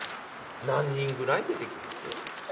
何人ぐらい出てきてる？